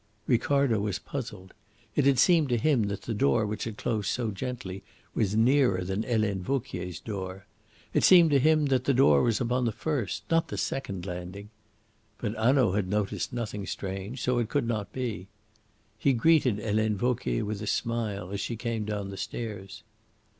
Ricardo was puzzled. It had seemed to him that the door which had closed so gently was nearer than Helene Vauquier's door. It seemed to him that the door was upon the first, not the second landing. But Hanaud had noticed nothing strange; so it could not be. He greeted Helene Vauquier with a smile as she came down the stairs.